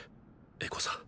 エコさん。